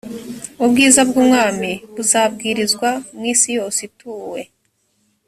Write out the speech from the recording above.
ubwiza bw’ubwami buzabwirizwa mu isi yose ituwe